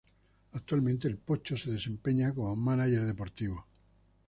Actualmente "El Pocho" se desempeña como mánager deportivo.